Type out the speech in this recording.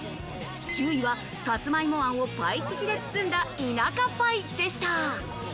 １０位はサツマイモ餡をパイ生地で包んだ田舎パイでした。